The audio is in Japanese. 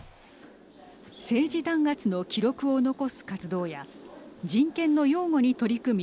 政治弾圧の記録を残す活動や人権の擁護に取り組み